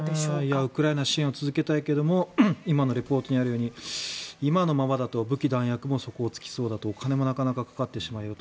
ウクライナ支援を続けたいけど今のリポートにあるように今のままだと武器・弾薬も底を突きそうだとお金もなかなかかかってしまうよと。